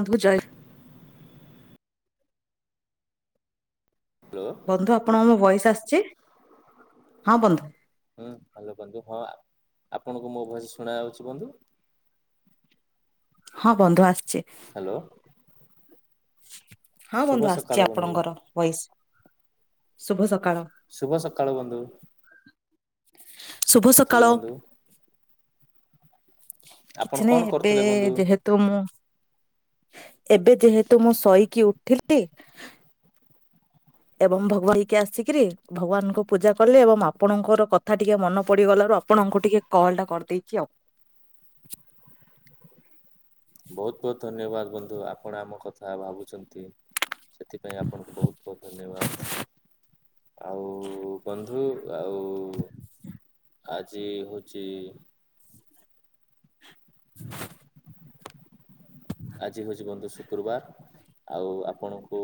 ଅନ୍ଧୁଜାଏ hello ବନ୍ଧୁ ଆପଣଙ୍କୁ ମୋ ଭଏସ ଆସୁଛି? ହୁଁ ହ୍ୟାଲୋ ବନ୍ଧୁ ହଁ ଆ ଆପଣଙ୍କୁ ମୋ ଭୟସ ଶୁଣାଜାଉଛି ବନ୍ଧୁ? ହଁ ବନ୍ଧୁ ଆସୁଛି। ହ୍ୟାଲୋ। ହଁ ଶୁଭ ବନ୍ଧୁ ସକାଳ ଆସୁଛି ବନ୍ଧୁ ଆପଣଙ୍କର ଭଏସ ଶୁଭସକାଳ। ଶୁଭ ସକାଳ ବନ୍ଧୁ। ଶୁଭ ଥିଲେ ସକାଳ। ବନ୍ଧୁ ଆପଣ କିଛି କଣ ନାହିଁ ଏବେ କରୁଥିଲେ ବନ୍ଧୁ? ଯେହେତୁ ମୁଁ ଏବେ ଯେହେତୁ ମୁଁ ଶୋଇକି ଉଠିଲି ଏବଂ ଭଗବାନ୍ ଧୋଇ ହେଇକି ଆସିକିରି ଭଗବାନଙ୍କୁ ପୂଜା କଲି। ଏବଂ ଆପଣଙ୍କର କଥା ଟିକେ ମନେ ପଡିଗଲା ଆପଣଙ୍କୁ ଟିକେ କଲ ଟା କରିଦେଇଛି ଆଉ। ବହୁତ ବହୁତ ଧନ୍ୟବାଦ ବନ୍ଧୁ ଆପଣ ଆମ କଥା ଭାବୁଛନ୍ତି। ସେଥିପାଇଁ ଆପଣଙ୍କୁ ବହୁତ ବହୁତ ଧନ୍ୟବାଦ। ଆଉ ବନ୍ଧୁ ଆଉ ସ୍ପଷ୍ଟ ଶୁଭୁନି। ଆଜି ହଉଛି ? ଆଜି ହଉଛି ବନ୍ଧୁ ଶୁକ୍ରୁବାର ଆଉ ଆପଣଙ୍କୁ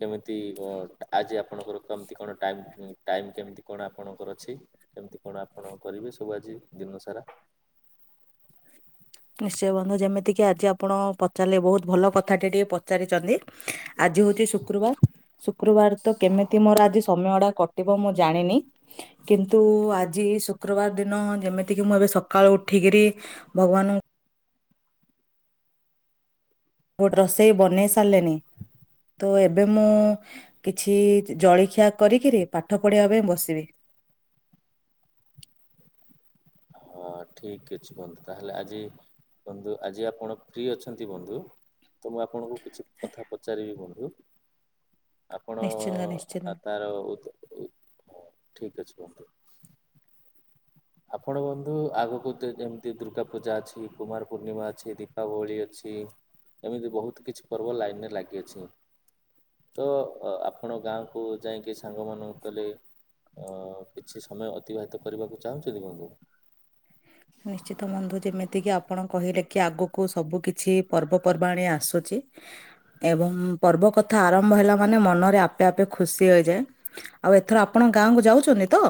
କେମିତି କଁ ଆଜି ଆପଣଙ୍କର କେମତି କଣ ଟାଇମ୍ ଟାଇମ୍ କେମିତି କଣ ଆପଣଙ୍କର ଅଛି? କେମତି କଣ ଆପଣ କରିବେ ସବୁ ଆଜି ଦିନ ସାରା। ? ନିଶ୍ଚନ୍ତ ବନ୍ଧୁ ଯେମିତିକି ଆଜି ଆପଣ ପଚାରିଲେ ବହୁତ ଭଲ କଥା ଟେ ଟିକେ ପଚାରିଚନ୍ତି ଆ ଆଜି ହେଉଛି ଶୁକ୍ରବାର ଶୁକ୍ରବାର ତ କେମିତି ମୋର ଆଜି ସମୟଟା କଟିବ ମୁଁ ଜାଣିନା କିନ୍ତୁ ଆଜି ଶୁକ୍ରବାର ଦିନ ଯେମିତିକି ମୁଁ ଏବେ ସକାଳୁ ଉଠିକିରି ଭଗବାନଙ୍କୁ ବଟ ରୋଷେଇ ବନେଇ ସାରିଲିନି ତ ଏବେ ମୁଁ କିଛି ଜଳଖିଆ କରିକିରି ପାଠ ପଢେଇିବା ପାଇଁ ବସିବି।? ହଁ ଠିକ ଅଛି ବନ୍ଧୁ ତାହେଲେ ଆଜି ବନ୍ଧୁ ଆଜି ଆପଣ ଫ୍ରି ଅଛନ୍ତି ବନ୍ଧୁ ତ ମୁଁ ଆପଣଙ୍କୁ କିଛି କଥା ପଚାରିବି ବନ୍ଧୁ। ଆପଣ ନିଶ୍ଚିନ୍ତ ନିଶ୍ଚିନ୍ତ ଆ ତାର ଉତ୍ତ ହ ଠିକ ଅଛି ବନ୍ଧୁ। ଆପଣ ବନ୍ଧୁ ଆଗକୁ ତ ଯେମିତି ଦୁର୍ଗା ପୂଜା ଅଛି କୁମାର ପୂର୍ଣ୍ଣିମା ଅଛି ଦୀପାବଳି ଅଛି ଛି ଏମିତି ବହୁତ କିଛି ପର୍ବ ଲାଇନରେ ଲାଗିଅଛି ତ ଆପଣ ଗାଁ କୁ ଯାଇଁକି ସାଙ୍ଗ ମାନଙ୍କୁ ଗଲେ ଅ କିଛି ସମୟ ଅତିବାହିତ କରିବାକୁ ଚାହୁଁଛନ୍ତି ବନ୍ଧୁ? ନିଶ୍ଚିତ ବନ୍ଧୁ ଯେମିତି କିି ଆପଣ କହିଲେ କି ଆଗକୁ ସବୁ କିଛି ପର୍ବପର୍ବାଣି ଆସୁଛି ଏବଂ ପର୍ବ କଥା ଆରମ୍ଭ ମହିଳା ମାନେ ମନରେ ଆପେ ଆପେ ଖୁସି ହୋଇଯାଏ ଆଉ ଏଥର ଆପଣ ଗାଁ କୁ ଯାଉଛନ୍ତି ତ??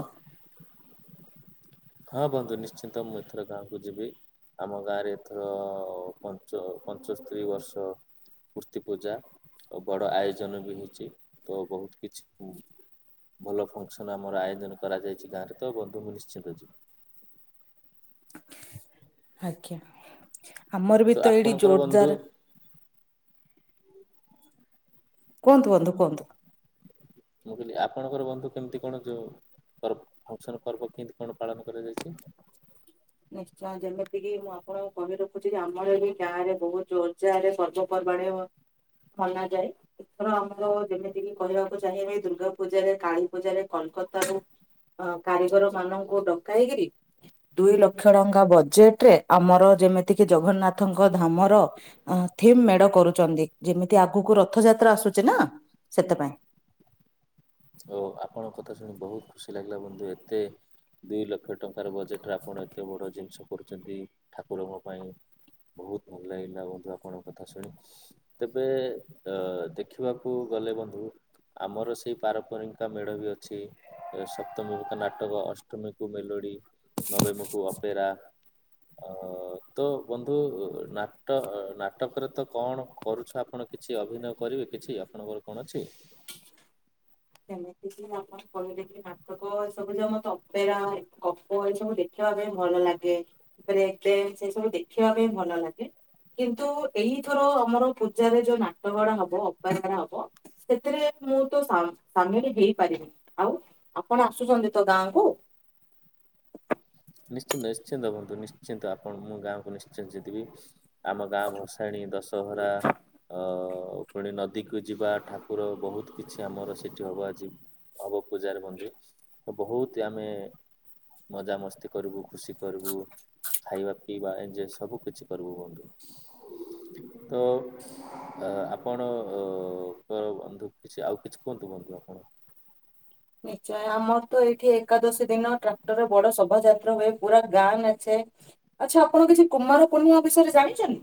ହଁ ବନ୍ଧୁ ନିଶ୍ଚିନ୍ତ ମୁଁ ଏଥର ଗାଁକୁ ଯିବି। ଆମ ଗାଁରେ ଏଥର ପଞ୍ଚ ପଞ୍ଚସ୍ତରୀ ବର୍ଷ ମୂର୍ତ୍ତିୀ ପୂଜା ଓ ବଡ଼ ଆୟୋଜନ ବି ହେଇଛି ତ ବହୁତ କିଛି ଭଲ ଫଙ୍କସନ ଆମର ଆୟୋଜନ କରାଯାଇଛି ଗାଁ ରେ ତ ମୁଁ ବନ୍ଧୁ ନିଶ୍ଚିନ୍ତ ଯିବ। ଆଜ୍ଞା ଆମର ବି ତ ଏଇଠି ଆପଣଙ୍କର ବନ୍ଧୁ ଜୋରଦାର କୁହନ୍ତୁ ବନ୍ଧୁ କୁହନ୍ତୁ। ମୁଁ କହିଲି ଆପଣଙ୍କର ବନ୍ଧୁ କେମିତି କଣ ଯୋଉ ଙ୍କର‌ ଫଙ୍କସନ ପର୍ବ କେମିତି କଣ ପାଳନ କରାଯାଇଛି? ନିଶ୍ଚୟ ଯେମିତିକି ମୁଁ ଆପଣଙ୍କୁ କହି ରଖୁଛି ଯେ ଆମର ବି ଗାଁ ରେ ବହୁତ ଯୋର୍ ଯାର୍ ରେ ପର୍ବ ପର ପଡେ ଓ ମନାଯାଏ ଏଥର ଆମର ଯେମିତିକି କହିବାକୁ ଚାହିଁବି ଦୁର୍ଗା ପୂଜାରେ, କାଳୀ ପୂଜାରେ କଲ କତାକୁ‌ ଅ କାରିଗର ମାନଙ୍କୁ ଡକାଇକିରି ଦୁଇ ଲ ଲକ୍ଷ ଟଙ୍କା ବଜେଟରେ ଆମର ଯେମିତି କି ଜଗନ୍ନାଥଙ୍କ ଧାମର ଥିମ୍ ମେଢ କରୁଚନ୍ତି ଯେମିତି ଆଗକୁ ରଥ ଯାତ୍ରା ଆସୁଛି ନା ସେଥିପାଇଁ। ଓ ଆପଣଙ୍କ କଥା ଶୁଣି ବହୁତ ଖୁସି ଲାଗିଲା ବନ୍ଧୁ ଏତେ ଦୁଇ ଲକ୍ଷ ଟଙ୍କାର ବଜେଟରେ ଆପଣ ଏତେ ବଡ଼ ଜିନିଷ କରୁଛନ୍ତି ଠାକୁରଙ୍କ ପାଇଁ। ବହୁତ ଭଲ ଲାଗିଲା ବନ୍ଧୁ ଆପଣଙ୍କ କଥା ଶୁଣି ତେବେ ଅ ଦେଖିବାକୁ ଗଲେ ବନ୍ଧୁ ଆମର ସେଇ ପାରମ୍ପାରିକା ମେଢ ବି ଅଛି ଏ ସପ୍ତମୀକୁ ନାଟକ ଅଷ୍ଟମୀକୁ ମେଲୋଡ଼ି ନବେମୁକୁ ଅପେରା ଅ ତ ବନ୍ଧୁ ନାଟ ନାଟକରେ ତ କଣ କରୁଛ ଆପଣ କିଛି ଅଭିନୟ କରି ବି କିଛି ଆପଣଙ୍କର କଣ ଅଛି। ସେମିତି କି ଆପଣ କହିଲେ କିି ନାଟକ ଏ ସବୁ ଯ ମତ ଅପେରା ଏ ଗପ ଏ ସବୁ ଦେଖିବା ପାଇଁ ଭଲ ଲାଗେ ତାପରେ ଏତେ ସେ ସବୁ ଦେଖିବା ପାଇଁ ଭଲ ଲାଗେ। କିନ୍ତୁ ଏଇଥର ଆମର ପୂଜାରେ ଯୋଉ ନାଟକ ଟା ହବ ଅପରା ହବ ସେଥିରେ ମୁଁ ତ ସା ସାମିଲ ହେଇପାରିବି ଆଉ ଆପଣ ଆସୁଛନ୍ତି ତ ଗାଁକୁ। ନିଶ୍ଚିନ୍ତ ନିଶ୍ଚିନ୍ତ ହୁଅନ୍ତୁ ନିଶ୍ଚିନ୍ତ ଆପଣ ମୁଁ ଗାଁକୁ ନିଶ୍ଚିନ୍ତ ଜିତିବି ଆମ ଗାଁ ଭସାଣି ଦଶହରା ଅ ପୁଣି ନଦୀକୁ ଯିବା ଠାକୁର ବହୁତ କିଛି ଆମର ସେଠି ହବ ଆଜି ହବ ପୂଜାରେ ବନ୍ଧୁ ତ ବହୁତ ଆମେ ମଜାମସ୍ତି କରିବୁ ଖୁସି କରିବୁ ଖାଇବା ପିଇବା ଏଞଜୟ ସବୁ କିିଛି କରିବୁ ବନ୍ଧୁ। ତ ଅ ଆ ଆପଣ ଅ ଙ୍କର ବନ୍ଧୁ କିଛି ଆଉ କିଛି କୁହନ୍ତୁ। ବନ୍ଧୁ ଆପଣ। ନିଶ୍ଚୟ ଆମର ତ ଏଇଠି ଏକାଦଶୀ ଦିନ ଟ୍ରାକ୍ଟରରେ ବଡ ଶୋଭାଯାତ୍ରା ହୁଏ ପୁରା ଗାଁ ନାଚେ। [unintelligible] ଆଚ୍ଛା ଆପଣ କିଛି କୁମାର ପୂର୍ଣ୍ଣିମା ବିଷୟରେ ଜାଣିଛନ୍ତି।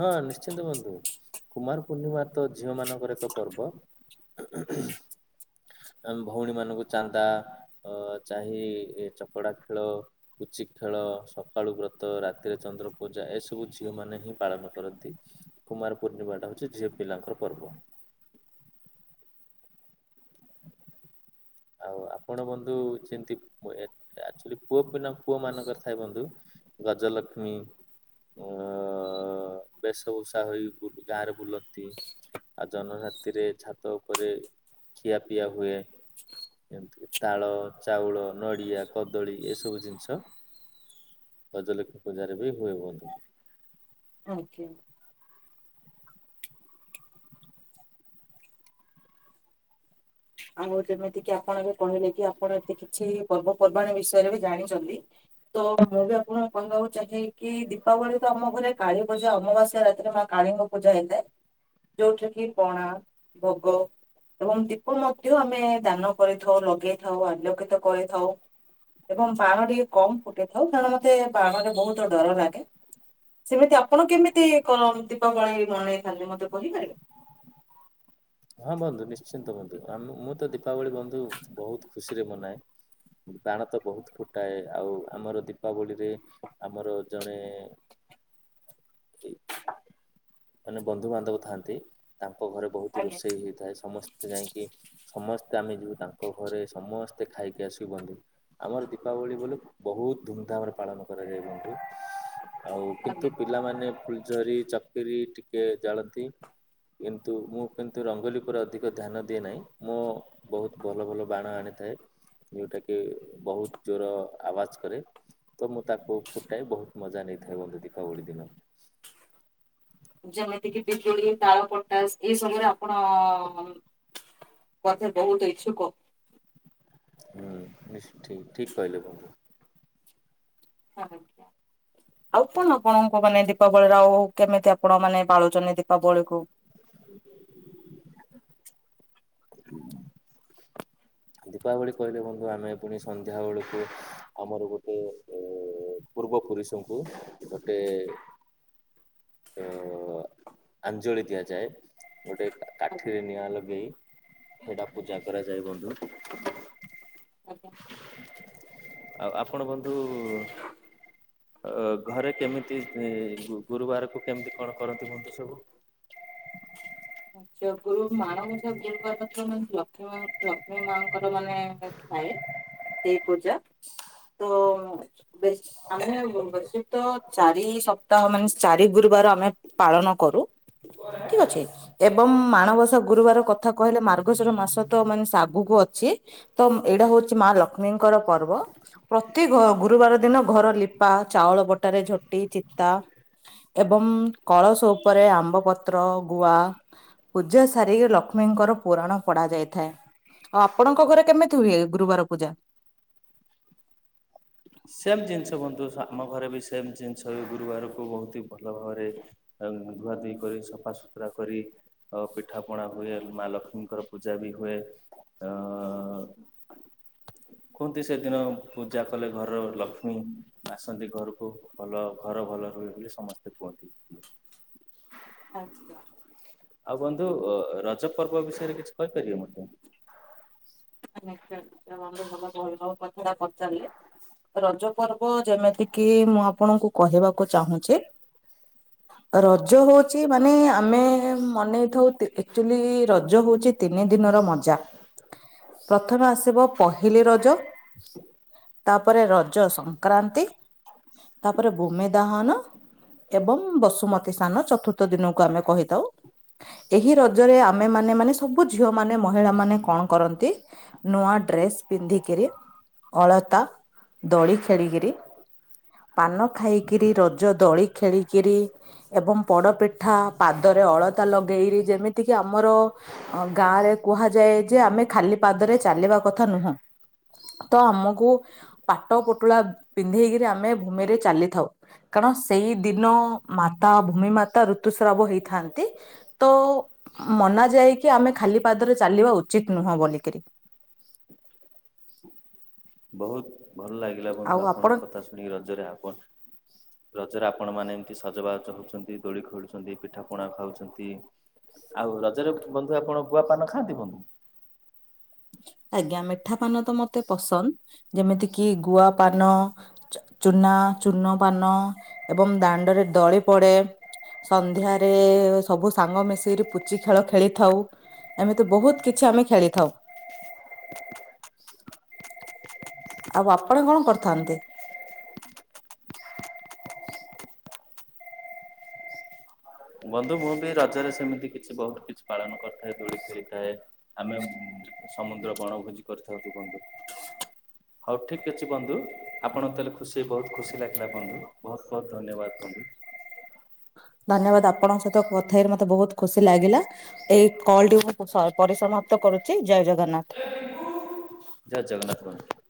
ହଁ ନିଶ୍ଚିନ୍ତ ବନ୍ଧୁ କୁମାର ପୂର୍ଣ୍ଣିମା ତ ଝିଅମାନଙ୍କର ଏକ ପର୍ବ। ଆ ଭଉଣୀ ମାନଙ୍କୁ ଚାନ୍ଦା ଅ ଚାହିଁ ଚକଡା ଖେଳ, ପୁଚି ଚି ଖେଳ ସକାଳୁ ବ୍ରତ ରାତିରେ ଚନ୍ଦ୍ରପୂଜା ଏସବୁ ଝିଅମାନେ ହିଁ ପାଳନ କରନ୍ତି କୁମାର ପୂର୍ଣ୍ଣିମା ଟା ହଉଛି ଝିଅ ପିଲାଙ୍କ ପର୍ବ। ଆଉ ଆପଣ ବନ୍ଧୁ ଯେମିତି ପ ଏ ଆଶ୍ଚୁଲି ପୁଅ ପିନାଙ୍କ ପୁଅମାନଙ୍କର ଥାଏ ବନ୍ଧୁ ଗଜଲକ୍ଷ୍ମୀ। ଅ ବେଶଭୂଷା ହୋଇ ବୁ‌ ଗାଁରେ ବୁଲନ୍ତି। ଆଉ ଜହ୍ନ ରାତିରେ ଛାତ ଉପରେ ଖିଆପିଆ ହୁଏ। ଏମିତି ତାଳ, ଚାଉଳ, ନଡିଆ, କଦଳୀ ଏସବୁ ଜିନିଷ ଅଜଲିଖ ପୂଜାରେ ବି ହୁଏ ବନ୍ଧୁ। ଆଜ୍ଞା। ଆଉ ଯେମିତି କି ଆପଣ ବି କହିଲେ କି ଆପଣ ଏ କିଛି ପର୍ବପର୍ବାଣ ବିଷୟରେ ବି ଜାଣିଛନ୍ତି ତ ତ ମୁଁ ବି ଆପଣଙ୍କୁ କହିବାକୁ ଚାହେଁ କି ଦୀପାବଳି ତ ଆମ ଘରେ କାଳୀ ପଜା ଅମବାସ୍ୟା ରାତିରେ ମା କାଳୀ ଙ୍କ ପୂଜା ହେଇଥାଏ ଯୋଉଠି କି ପଣା, ଭୋଗ ଏବଂ ଦୀପ ମଧ୍ୟ ଧ୍ୟ ଆମେ ଦାନ କରିଥାଉ ଲଗେଇଥାଉ ଆଲୋକିତ କରିଥାଉ। ଏବଂ ବାଣ ଟିକେ କମ ଫୁଟି ଥାଉ କାରଣ ମତେ ବାଣରେ ବହୁତ ଡର ଲାଗେ। ସେମିତି ଆପଣ କେମିତି କଣ ଦୀପାବଳି ମନେଇଥାନ୍ତି, ମତେ କହିପାରିବେ। [inaudible] ହଁ ବନ୍ଧୁ ନିଶ୍ଚିନ୍ତ ବନ୍ଧୁ ମୁଁ ତ ଦୀପାବଳି ବନ୍ଧୁ ବହୁତ ଖୁସିରେ ମନାଏ। ପ୍ରାଣ ତ ବହୁତ ଫୁଟାଏ। ଆଉ ଆମର ଦୀପାବଳିରେ ଆମର ଜଣେ [inaudible] ମାନେ ବନ୍ଧୁବାନ୍ଧବ ଥାନ୍ତି। ତାଙ୍କ ଘରେ ବହୁତ ଆଜ୍ଞା ରୋଷେଇ ହେଇଥାଏ। ସମସ୍ତେ ଯାଇକି ସମସ୍ତେ ଆମେ ଯିବୁ ତାଙ୍କ ଘରେ ସମସ୍ତେ ଖାଇକି ଆସିବୁ ବନ୍ଧୁ ଆମର ଦୀପାବଳି ବୋଲେ ବହୁତ ଧୁମଧାମରେ ପାଳନ କରାଯାଏ ବନ୍ଧୁ। ଆଉ ଆଜ୍ଞା। କିନ୍ତୁ ପିଲାମାନେ ଫୁଲଝରି, କିରି ଟିକେ ଜାଳନ୍ତି। କିନ୍ତୁ ମୁଁ କିନ୍ତୁ ରଙ୍ଗୋଲି ଉପରେ ଅଧିକ ଧ୍ୟାନ ଦିଏ ନାହିଁ। ମୁଁ ବହୁତ ଭଲ ଭଲ ବାଣ ଆଣି ଥାଏ। ଯୋଉଟା କି ବହୁତ ଜୋର ଆବାଜ କରେ ତ ମୁଁ ତାକୁ ଫୁଟାଏ ବହୁତ ମଜା ନେଇଥାଏ ବନ୍ଧୁ ଦୀପାବଳି ଦିନ। [inaudible] ଯେମିତି କିି ବିଜୁଳି, ତାଳ ପଟାସ ଏଇ ସବୁରେ ଆପଣ ବୋଧେ ବହୁତ ଇଚ୍ଛୁକ। ହୁଁ ନି ଠି ଠିକ କହିଲେ ବନ୍ଧୁ। [unintelligible] ଆଉ କଣ ଆପଣଙ୍କୁ ମାନେ ଦୀପାବଳିର ଆଉ କେମିତି ଆପଣ ମାନେ ପାଳୁଛନ୍ତି ଦୀପାବଳିକୁ। [inaudible] [inaudible] ଦୀପାବଳି କହିଲେ ବନ୍ଧୁ ଆମେ ପୁଣି ସନ୍ଧ୍ୟାବେଳକୁ ଆମର ଗୋଟେ ଏ ପୂର୍ବ ପୁରୁଷଙ୍କୁ ଗୋଟେ ତ ଆଞ୍ଜଳି ଦିଆଯାଏ। ଗୋଟେ ଆଜ୍ଞା କାଠିରେ ନିଆଁ ଲଗେଇ ଏଇଟା ପୂଜା କରାଯାଏ ବନ୍ଧୁ। ଆଜ୍ଞା। ଆଉ ଆପଣ ବନ୍ଧୁ ଅ ଘରେ କେମିତି ଇ ଗୁ ଗୁରୁବାରକୁ କେମିତି କଣ କରନ୍ତି ବନ୍ଧୁ ସବୁ? [inaudible] ଆଛା ଗୁରୁ ମାଣବସା ଗୁରୁବାର ତ ମାନେ ଲକ୍ଷ୍ମୀମା ଲକ୍ଷ୍ମୀମାଆଙ୍କର ମାନେ ଏ ଥାଏ ସେଇ ପୂଜା ତ ବେଶ୍ ଆମେ ବ ବେଶିତ ଚାରି ସପ୍ତାହ ମାନେ ଚାରି ଗୁରୁବାର ଆମେ ପାଳନ କରୁ। ଠିକଅଛି। ଏବଂ ମାଣବସା ଗୁରୁବାର କଥା କହିଲେ ମାର୍ଗଶିର ମାସ ତ ମାନେ ସେ ଆଗକୁ ଅଛି ତ ଏ ଏଇଟା ହୋଉଚି ମା ଲକ୍ଷ୍ମୀଙ୍କର ପର୍ବ। ପ୍ରତି ଘ ଗୁରୁବାର ଦିନ ଘର ଲିପା ଚାଉଳ ବଟାରେ ଝୋଟି ଚିତା ଏବମ୍ କଳସ ଉପରେ ଆମ୍ବପତ୍ର, ଗୁଆ ପୂଜା ସାରିକି ଲକ୍ଷ୍ମୀଙ୍କର ପୁରାଣ ପଡାଯାଇଥାଏ। ଆଉ ଆପଣଙ୍କ ଘରେ କେମିତି ହୁଏ ଗୁରୁବାର ପୂଜା? ସେମ ଜିନିଷ ବନ୍ଧୁ ସ ଆମ ଘରେ ବି ସେମ ଜିନିଷ ବି ଗୁରୁବାରକୁ ବୋହୁତ ଭଲ ଭାବରେ ଏ ଧୁଆ ଧୁଇ କରି, ସଫାସୁତୁରା କରି, ଅ ପିଠା ପଣା ହୁଏ, ମା ଲକ୍ଷ୍ମୀଙ୍କର ପୂଜା ବି ହୁଏ। ଏ ଅ [inaudible] କୁହନ୍ତି ସେଦିନ ପୂଜା କଲେ ଘରର ଲକ୍ଷ୍ମୀ ଆସନ୍ତି ଘରକୁ ଭଲ ଘର ଭଲ ରୁହେ ବୋଲି ସମସ୍ତେ କୁହନ୍ତି। [inaudible] ଆଚ୍ଛା ଆଉ ବନ୍ଧୁ ଅ ର ଜ ପର୍ବ ବିଷୟରେ କିଛି କହିପାରିବେ ମତେ। ନିଶ୍ଚୟ ନିଶ୍ଚୟ ବନ୍ଧୁ ଭଲ [unintelligible] ଯୋଉ କଥାଟା ପଚାରିଲେ। ରଜ ପର୍ବ ଯେମିତି କିି ମୁଁ ଆପଣଙ୍କୁ କହିବାକୁ ଚାହୁଁଚି ରଜ ହୋଉଚି ମାନେ ଆମେ ମନେଇଥାଉ ତି ଏକଚୋଲି ରଜ ହୋଉଚି ତିନି ଦିନ। ର ମଜା ପ୍ରଥମେ ଆସିବ ପହିଲି ରଜ। ତାପରେ ରଜ ସଂକ୍ରାନ୍ତି ତାପରେ ଭୂମି ଦାହନ ଏବଂ ବସୁମତୀ ସ୍ନାନ ଚତୁର୍ଥ ଦିନକୁ ଆମେ କହିଥାଉ। ଏହି ରଜରେ ଆମେମାନେ ମାନେ ସବୁ ଝିଅମାନେ ମହିଳାମାନେ କଣ କରନ୍ତି? ନୂଆ ଡ୍ରେସ ପିନ୍ଧିକିରି ଅଳତା ଦୋଳି ଖେଳିକିରି ପାନ ଖାଇକିରି, ରଜ ଦୋଳି ଖେଳିକିରି ଏବଂ ପୋଡ ପିଠା ପାଦ ରେ ଅଳତା ଲଗେଇରି ଯେମତି ଆମର ଅଁ ଗାଁରେ କୁହାଯାଏ ଯେ ଆମେ ଖାଲି ପାଦରେ ଚାଲିବା କଥା ନୁହଁ। ତ ଆମକୁ ପାଟ ପୁଟୁଳା ପିନ୍ଧେଇକିରି ଆମେ ଭୂମିରେ ଚାଲିଥାଉ କାର୍ କାରଣ ସେହି ଦିନ ମାତା ଭୂମି ମାତା ଋତୁସ୍ରାବ ହେଇଥାନ୍ତି ତ ମନା ଯାଏକି ଆମେ ଖାଲି ପାଦରେ ଚାଲିବା ଉଚିତ୍ ନୁହଁ ବୋଲି କିରି ବୋହୁତ ଭଲ ଲାଗିଲା ବନ୍ଧୁ ଆପଣଙ୍କ କଥା ଶୁଣିକି ରଜରେ ଆପଣ ରଜରେ ଆ ଆପଣ ମାନେ ଏମତି ସଜବାଜ ହୋଉଛନ୍ତି ଦୋଳି ଖେଳୁଛନ୍ତି ପିଠା ପଣା ଖାଉଛନ୍ତି। ଆଉ ରଜରେ ବନ୍ଧୁ ଆପଣ ଗୁଆପାନ ଖାଆନ୍ତି ବନ୍ଧୁ? [inaudible] ଆଜ୍ଞା ମିଠାପାନ ତ ମତେ ପସନ୍ଦ ଯେମିତି କି ଗୁଆପାନ ଚ ଚୂନ୍ ନା ଚୂନ ପାନ ଏବଂ ଦାଣ୍ଡରେ ଦଳି ପଡେ। ସନ୍ଧ୍ୟାରେ ସବୁ ସାଙ୍ଗ ମିଶିକିରି ପୁଚି ଖେଳ ଖେଳିଥାଉ। ଏମିତି ବହୁତ କିଛି ଆମେ ଖେଳିଥାଉ। ଆଉ ଆପଣ କଣ କରିଥାନ୍ତେ। ବନ୍ଧୁ ମୁଁ ବି ରଜରେ ସେମିତି କିଛି ବହୁତ କିଛି ପାଳନ କରିଥାଏ ଦୂଳି ଖେଳିଥାଏ ଆମେ ସମୁଦ୍ର ବଣଭୋଜି କରିଥାଉନ୍ତୁ କହନ୍ତୁ। [inaudible] ହଉ ଠିକ୍ ଅଛି ବନ୍ଧୁ ଆପଣତେଲେ ଖୁସି ବହୁତ ଖୁସି ଲାଗିଲା ବନ୍ଧୁ ବହୁତ ବହୁତ ଧନ୍ୟବାଦ ବନ୍ଧୁ। ଁ [unintelligible] ଧନ୍ୟବାଦ ଆପଣଙ୍କ ସହିତ କଥେଇରେ ମତେ ବହୁତ ଖୁସି ଲାଗିଲା ଏଇ କଲ୍ ଟି ମୁ ପରିଶ୍ରମ। ପ୍ରତ କରୁଛି ଜୟ ଜଗନ୍ନାଥ ୍। ଜୟ ଜଗନ୍ନାଥ ବନ୍ଧୁ।